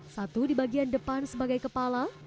satu di bagian depan sebagai kepala